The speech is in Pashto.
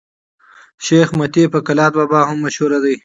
شېخ متي په کلات بابا هم مشهور دئ.